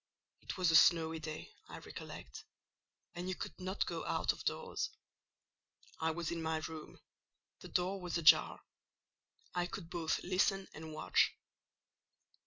It was a snowy day, I recollect, and you could not go out of doors. I was in my room; the door was ajar: I could both listen and watch.